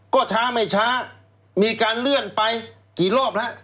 ก็ช้าไม่ช้ามีการเลื่อนไปกี่รอบแล้ว